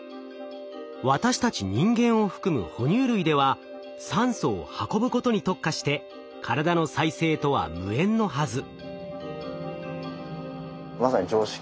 私たち人間を含む哺乳類では酸素を運ぶことに特化して体の再生とは無縁のはず。